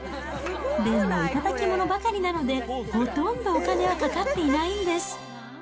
でも頂き物ばかりなので、ほとんどお金はかかっていないんです。